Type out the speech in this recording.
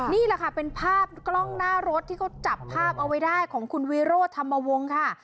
นี่แหละค่ะเป็นภาพกล้องหน้ารถที่เขาจับภาพเอาไว้ได้ของคุณวิโรธธรรมวงศ์ค่ะ